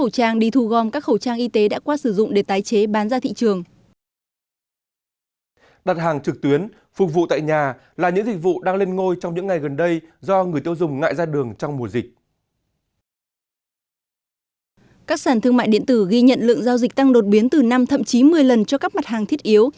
các sản thương mại điện tử ghi nhận lượng giao dịch tăng đột biến từ năm thậm chí một mươi lần cho các mặt hàng thiết yếu